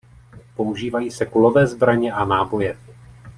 Používají se kulové zbraně a náboje.